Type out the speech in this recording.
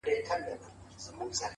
لوړ همت ستړې پښې نه احساسوي’